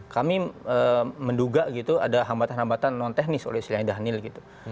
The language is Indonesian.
kami menduga gitu ada hambatan hambatan non teknis oleh istilahnya dhanil gitu